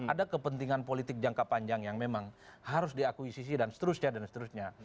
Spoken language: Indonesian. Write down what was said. ada kepentingan politik jangka panjang yang memang harus diakuisisi dan seterusnya